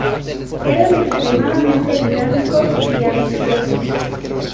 Eran extremadamente dinámicos y ambiciosos.